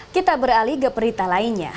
kita beralih ke berita lainnya